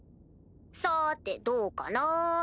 さてどうかな？